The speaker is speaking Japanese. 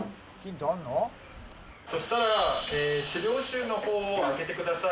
そしたら資料集の方を開けてください。